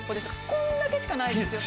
こんだけしかないですよ